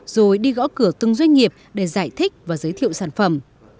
rồi đi gõ cửa từng doanh nghiệp để giải thích và giới thiệu sản phẩm